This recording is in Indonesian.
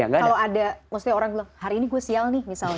kalau ada orang bilang hari ini gue sial nih